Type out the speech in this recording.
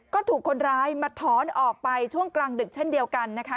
ก็ถูกคนร้ายมาถอนออกไปช่วงกลางดึกเช่นเดียวกันนะคะ